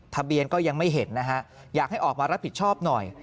ทะเบียนก็ยังไม่เห็นนะฮะอยากให้ออกมารับผิดชอบหน่อย